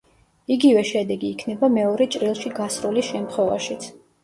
იგივე შედეგი იქნება მეორე ჭრილში გასროლის შემთხვევაშიც.